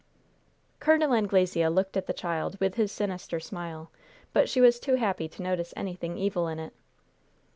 Col. Anglesea looked at the child with his sinister smile, but she was too happy to notice anything evil in it.